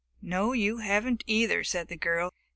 "No, you haven't either," said the girl.